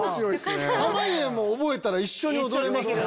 濱家も覚えたら一緒に踊れますもんね。